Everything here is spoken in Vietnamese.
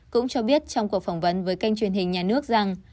cũng cho biết trong cuộc phỏng vấn với kênh truyền hình nhà nước rằng